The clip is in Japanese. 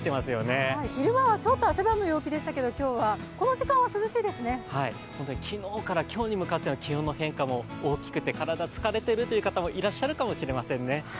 今日は昼間はちょっと汗ばむ陽気でしたけど昨日から今日に向かっての気温の変化も大きくて体疲れているという方もいらっしゃるかもしれませんね。